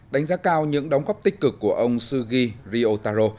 đánh giá cao những đóng góp tích cực của ông sugiri otaro